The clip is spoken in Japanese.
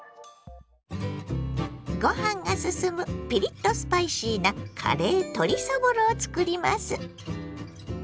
ご飯がすすむピリッとスパイシーなカレー鶏そぼろをつくります。